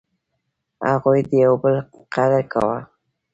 هغوی د یو بل قدر کاوه.